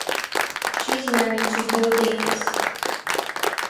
She is married to Bill Davis.